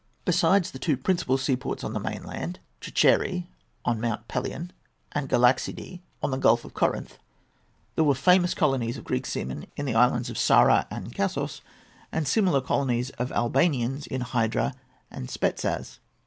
Besides the two principal seaports on the mainland, Tricheri on Mount Pelion and Galaxidhi on the Gulf of Corinth, there were famous colonies of Greek seamen in the islands of Psara and Kasos, and similar colonies of Albanians in Hydra and Spetzas.